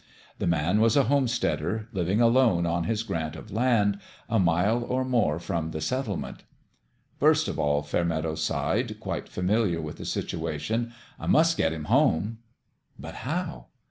The man was a home steader, living alone on his grant of land, a mile or more from the settlement. " First of all," Fairmeadow sighed, quite familiar with the situation, " I must get him home." But how